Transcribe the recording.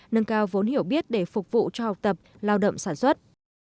nâng cao vốn hiểu biết để phục vụ cho học tập lao động sản xuất